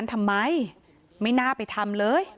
นางมอนก็บอกว่า